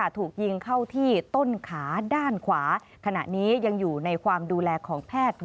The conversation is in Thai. ถูกยิงเข้าที่ต้นขาด้านขวาขณะนี้ยังอยู่ในความดูแลของแพทย์